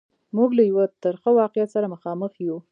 موږ له یوه ترخه واقعیت سره مخامخ یو.